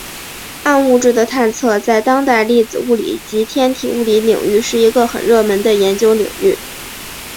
暗物质的探测在当代粒子物理及天体物理领域是一个很热门的研究领域。